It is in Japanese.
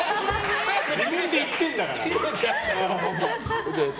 自分で行ってるんだから！